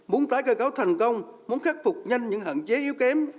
muốn tái cờ cầu thành công muốn khắc phục nhanh những hạn chế yếu kém